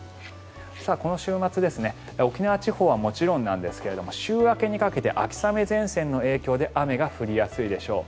この週末沖縄地方はもちろんなんですが週明けにかけて秋雨前線の影響で雨が降りやすいでしょう。